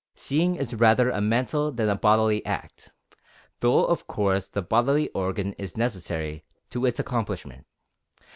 Seeing is rather a mental than a bodily act, though of course the bodily organ is necessary to its accomplishment.